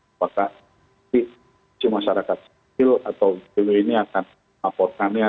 apakah si masyarakat kecil atau kecil ini akan laporkannya